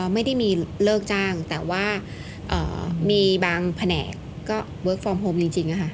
ไม่ได้มีเลือกจ้างแต่ว่ามีบางแผนกก็เวิร์คจากก่อนจงนะคะ